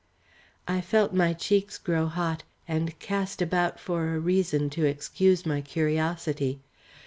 I felt my cheeks grow hot, and cast about for a reason to excuse my curiosity.